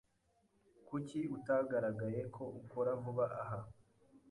Kuki utagaragaye ko ukora vuba aha?